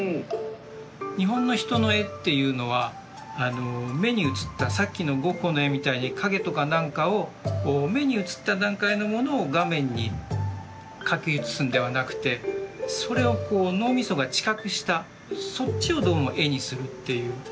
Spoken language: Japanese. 日本の人の絵っていうのは目に映ったさっきのゴッホの絵みたいに影とか何かを目に映った段階のものを画面に描き写すんではなくてそれをこう脳みそが知覚したそっちをどうも絵にするっていう。